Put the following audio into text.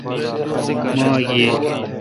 ماک ییل۔